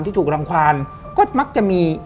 ถูกรังความก็มักจะมี